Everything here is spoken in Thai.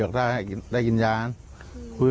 พระเจ้าอาวาสกันหน่อยนะครับ